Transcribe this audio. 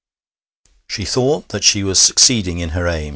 She thought that she was succeeding in her aim.